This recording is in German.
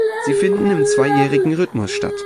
Sie finden im zweijährigen Rhythmus statt.